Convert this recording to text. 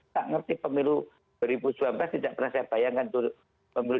tak ngerti pemilu dua ribu dua belas tidak pernah saya bayangkan pemilu dua ribu sembilan